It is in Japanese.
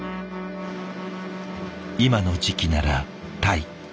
今の時期ならたい。